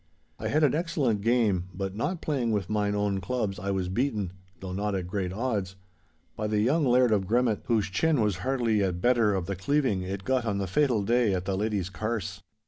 I had an excellent game, but, not playing with mine own clubs, I was beaten (though not at a great odds), by the young Laird of Gremmat, whose chin was hardly yet better of the cleaving it got on the fatal day at the Lady's Carse.